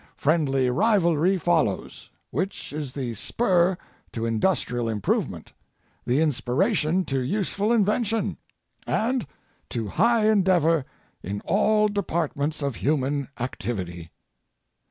Friendly rivalry follows, which is the spur to industrial improvement, the inspiration to useful invention and to high endeavor in all departments of human activity.